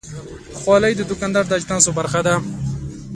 خولۍ د دوکاندار د اجناسو برخه ده.